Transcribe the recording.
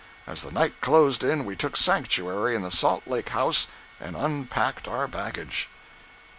As the night closed in we took sanctuary in the Salt Lake House and unpacked our baggage.